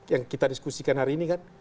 yang kita diskusikan hari ini kan